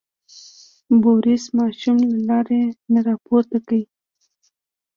بوریس ماشوم له لارې نه پورته کړ.